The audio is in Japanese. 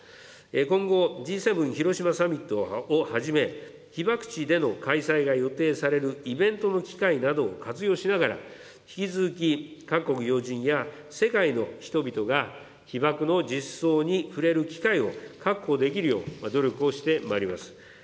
今後、Ｇ７広島サミットをはじめ、被爆地での開催が予定されるイベントの機会などを活用しながら、引き続き各国要人や世界の人々が被爆の実相に触れる機会を確保できるよう、努力をしてまいります。